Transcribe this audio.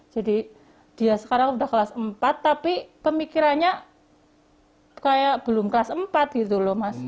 jadi dia sekarang udah kelas empat tapi pemikirannya kayak belum kelas empat gitu loh mas